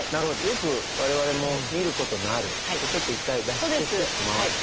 よく我々も見ることのあるちょっと１回出してすっと回っていく。